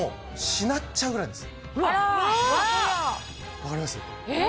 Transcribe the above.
分かります？